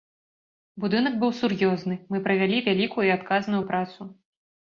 Будынак быў сур'ёзны, мы правялі вялікую і адказную працу.